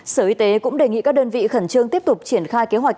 sở y tế cũng đề nghị các đơn vị khẩn trương tiếp tục triển khai kế hoạch